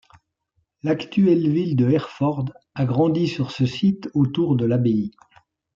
L'actuelle ville de Herford a grandi sur ce site autour de l'abbaye.